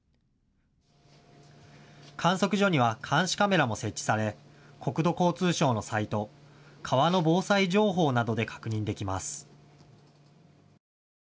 観測所には監視カメラも設置され国土交通省のサイト、川の防災情報などで確認できます。